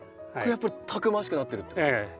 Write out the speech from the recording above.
やっぱりたくましくなってるってことですか？